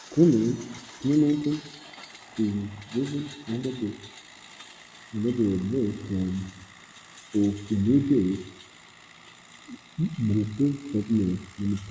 Clementon is governed under the Borough form of New Jersey municipal government.